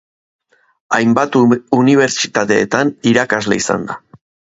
Hainbat unibertsitatetan irakasle izan da.